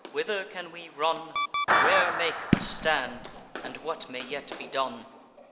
whither can we run? Where make a stand? and what may yet be done?